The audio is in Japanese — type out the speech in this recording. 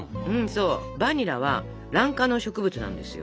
そうバニラはラン科の植物なんですよ。